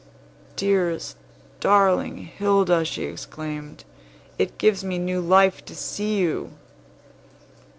"Dearest, darling Hilda!" she exclaimed. "It gives me new life to see you!"